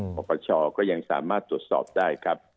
ปปชก็ยังสามารถตรวจสอบได้ครับ